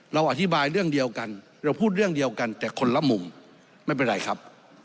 เราอธิบายเรื่องเดียวกันเราพูดเรื่องเดียวกันแต่คนละมุมไม่เป็นไรครับ